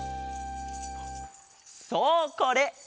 そうこれ！